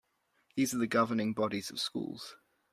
These are the governing bodies of schools.